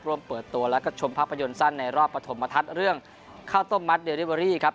ร่วมเปิดตัวแล้วก็ชมภาพยนตร์สั้นในรอบปฐมทัศน์เรื่องข้าวต้มมัดเดริเวอรี่ครับ